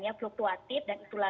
nah ini juga ada yang menurunkan